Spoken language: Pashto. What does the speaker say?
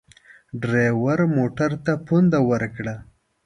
ډریور موټر ته پونده ورکړه.